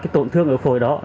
tổn thương ở phổi đó